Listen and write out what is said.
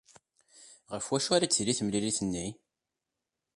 Ɣef wacu ara d-tili temlilit-nni?